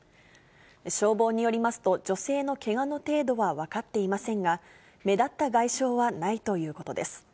消防によりますと、女性のけがの程度は分かっていませんが、目立った外傷はないということです。